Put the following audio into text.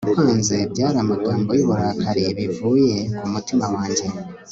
ndakwanze! byari amagambo y'uburakari bivuye ku mutima wanjye